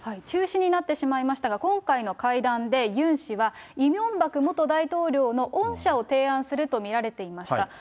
中止になってしまいましたが、今回の会談で、ユン氏は、イ・ミョンバク元大統領の恩赦を提案すると見られていました。